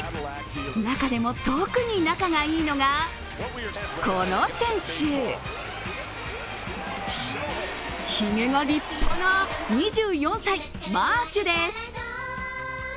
中でも、特に仲がいいのがこの選手ひげが立派な２４歳、マーシュです。